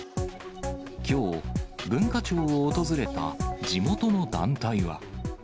きょう、文化庁を訪れた地元の団体は。